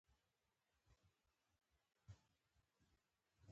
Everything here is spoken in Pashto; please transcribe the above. پوښتنه مې وکړه چې نور څوک په هوټل کې شته.